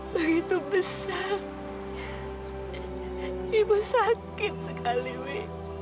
begitu besar ibu sakit sekali wi